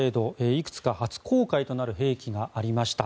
いくつか初公開となる兵器がありました。